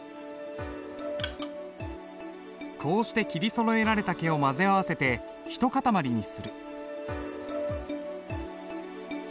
こうして切りそろえられた毛を混ぜ合わせて一塊にする。